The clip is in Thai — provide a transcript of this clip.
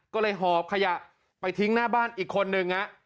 ก็เลยหอบขยะไปทิ้งหน้าบ้านอีกคนนึง